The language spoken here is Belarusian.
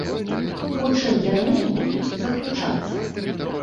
У чым яны будуць заключацца?